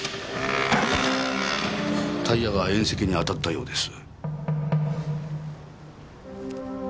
タイヤが縁石にあたったようです。